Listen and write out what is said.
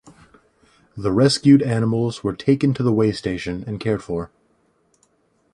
The rescued animals were taken to the Waystation and cared for.